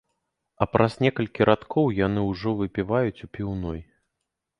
А праз некалькі радкоў яны ўжо выпіваюць у піўной.